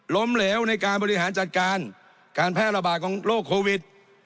เหลวในการบริหารจัดการการแพร่ระบาดของโรคโควิด